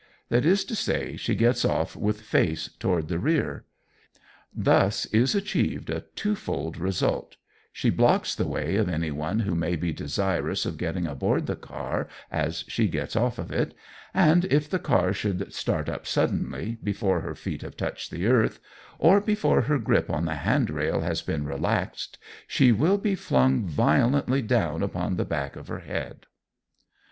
That is to say, she gets off with face toward the rear. Thus is achieved a twofold result: She blocks the way of anyone who may be desirous of getting aboard the car as she gets off of it, and if the car should start up suddenly, before her feet have touched the earth, or before her grip on the hand rail has been relaxed, she will be flung violently down upon the back of her head.